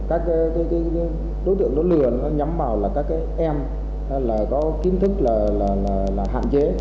các đối tượng lừa nhắm vào các em có kiến thức là hạn chế